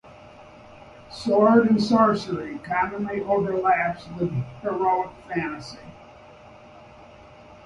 Sword and sorcery commonly overlaps with heroic fantasy.